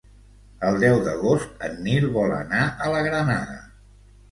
El deu d'agost en Nil vol anar a la Granada.